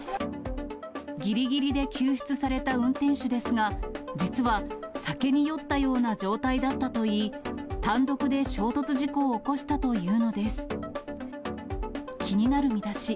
ぎりぎりで救出された運転手ですが、実は、酒に酔ったような状態だったといい、単独で衝突事故を起こしたというのです。